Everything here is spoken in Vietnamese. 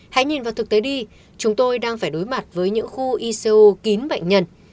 hãy nhìn vào thực tế đi chúng tôi đang phải đối mặt với những khu ico kín bệnh nhân